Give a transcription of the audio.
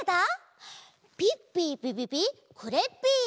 ピッピピピピクレッピー！